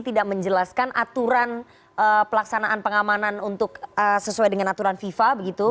tidak menjelaskan aturan pelaksanaan pengamanan untuk sesuai dengan aturan fifa begitu